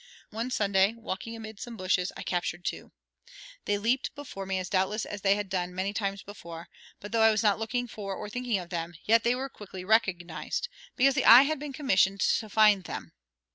One Sunday, walking amid some bushes, I captured two. They leaped before me as doubtless they had done many times before; but though I was not looking for or thinking of them, yet they were quickly recognized, because the eye had been commissioned to find them.